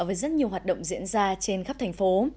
với rất nhiều hoạt động diễn ra trên khắp thành phố